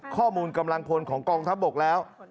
กำลังพลของกองทัพบกแล้ว